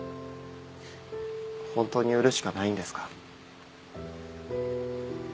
本当に売るしかないんですか？